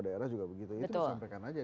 daerah juga begitu itu disampaikan aja